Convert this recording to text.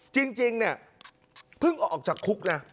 จริงเนี่ยเพิ่งออกจากคุกนะ